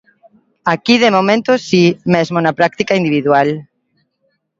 Aquí, de momento si, mesmo na práctica individual.